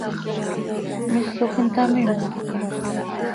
¿Misoj intamímojca?